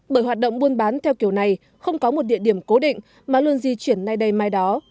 bởi hoạt động buôn bán theo kiểu này không có một địa điểm cố định mà luôn di chuyển nay đây mai đó